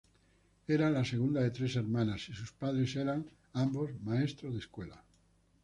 Era la segunda de tres hermanas y sus padres eran ambos maestros de escuela.